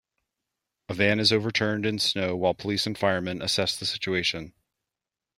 A van is overturned in snow while police and firemen assess the situation.